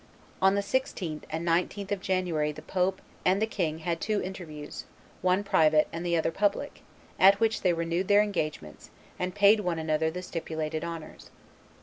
On the 16th and 19th of January the pope and the king had two interviews, one private and the other public, at which they renewed their engagements, and paid one another the stipulated honors.